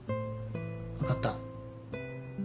わかった？